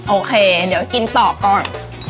โอเคเดี๋ยวกินต่อก่อน